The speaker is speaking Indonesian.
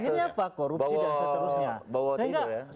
ini apa korupsi dan seterusnya